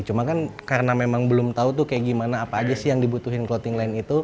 cuma kan karena memang belum tahu tuh kayak gimana apa aja sih yang dibutuhin clothing line itu